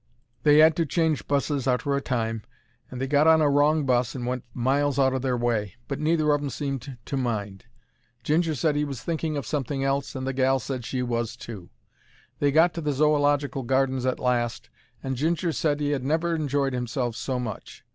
They 'ad to change buses arter a time, and they got on a wrong bus and went miles out o' their way, but neither of 'em seemed to mind. Ginger said he was thinking of something else, and the gal said she was too. They got to the Zoological Gardens at last, and Ginger said he 'ad never enjoyed himself so much.